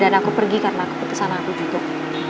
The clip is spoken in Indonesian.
dan aku pergi karena keputusan aku cukup